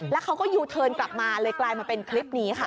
แล้วเขาก็ยูเทิร์นกลับมาเลยกลายมาเป็นคลิปนี้ค่ะ